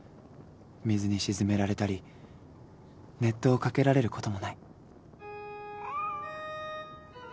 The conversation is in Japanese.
水に沈められたり熱湯をかけられることもない。